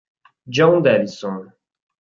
John Davidson